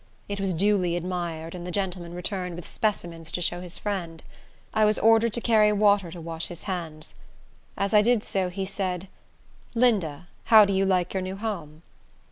It was duly admired, and the gentleman returned with specimens to show his friends. I was ordered to carry water to wash his hands. As I did so, he said, "Linda, how do you like your new home?"